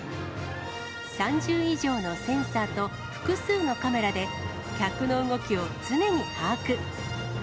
３０以上のセンサーと、複数のカメラで、客の動きを常に把握。